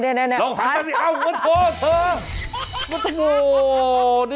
ลองถามก่อนสิเอ้าโมนโทเธอ